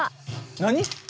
何？